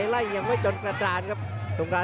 ล้อปีด้วยขาวขวา